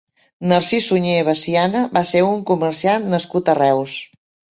Narcís Sunyer Veciana va ser un comerciant nascut a Reus.